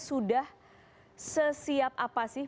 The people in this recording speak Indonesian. sudah sesiap apa sih